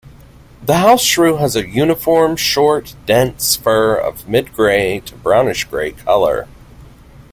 The house shrew has a uniform, short, dense fur of mid-grey to brownish-grey color.